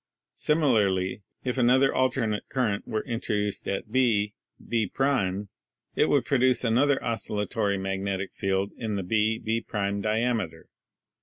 Simi larly, if another alternate current were introduced at B B' 200 ELECTRICITY it would produce another oscillatory magnetic field in the B B' diameter.